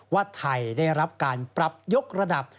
ว่าไทยได้รับการปรับยกระดับ